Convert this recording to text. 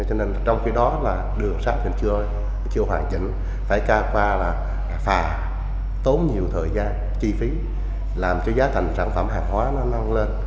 cho nên trong khi đó là đường sắt thì chưa hoàn chỉnh phải ca qua là phà tốn nhiều thời gian chi phí làm cho giá thành sản phẩm hàng hóa nó nâng lên